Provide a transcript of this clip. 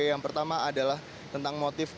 yang pertama adalah tentang motif